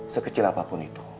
sekecil apapun itu